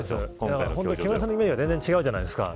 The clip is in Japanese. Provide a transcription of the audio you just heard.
木村さんのイメージが全然違うじゃないですか。